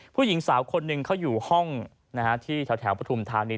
ผู้หญิงสาวคนหนึ่งเขาอยู่ห้องที่แถวปฐุมธานี